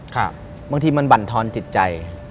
บางทีมันบรรทอนจิตใจ